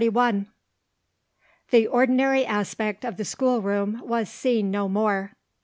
The ordinary aspect of the schoolroom was seen no more.